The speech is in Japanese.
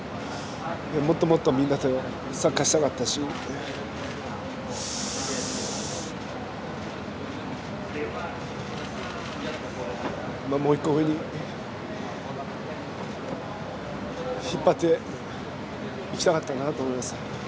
もっともっとみんなとサッカーしたかったしもう１個上に引っ張っていきたかったなと思います。